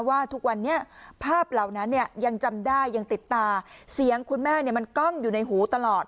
ว่าทุกวันนี้ภาพเหล่านั้นเนี่ยยังจำได้ยังติดตาเสียงคุณแม่เนี่ยมันกล้องอยู่ในหูตลอด